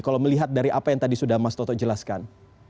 kalau melihat dari apa yang tadi sudah mas toto jelaskan